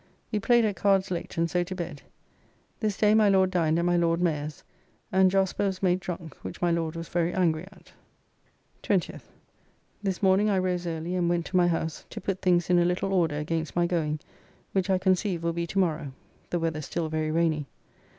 We played at cards late and so to bed. This day my Lord dined at my Lord Mayor's [Allen], and Jasper was made drunk, which my Lord was very angry at. 20th. This morning I rose early and went to my house to put things in a little order against my going, which I conceive will be to morrow (the weather still very rainy).